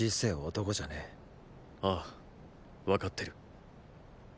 ああ分かってる。